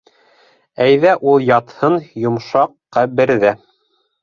Әйҙә ул ятһын йомшаҡ ҡәберҙә.